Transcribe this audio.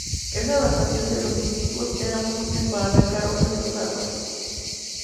Esta adaptación de los incisivos era muy útil para arrancar hojas de los árboles.